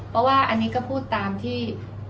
เพราะว่าอันนี้ก็พูดตามที่